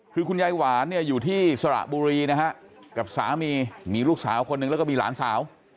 คือคุณยายหวานเนี่ยอยู่ที่สระบุรีนะฮะกับสามีมีลูกสาวคนหนึ่งแล้วก็มีหลานสาว